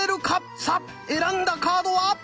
さあ選んだカードは。